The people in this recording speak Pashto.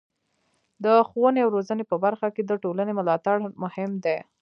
د ښوونې او روزنې په برخه کې د ټولنې ملاتړ مهم دی.